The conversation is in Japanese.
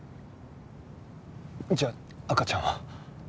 じゃあ赤ちゃんは？